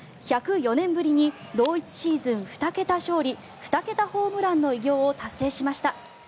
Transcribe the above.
１０４年ぶりに同一シーズン２桁勝利２桁ホームランの偉業を達成しました。